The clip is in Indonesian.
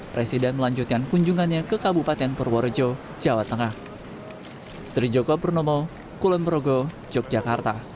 presiden melanjutkan kunjungannya ke kabupaten purworejo jawa tengah